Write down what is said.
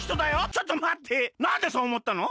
ちょっとまってなんでそうおもったの？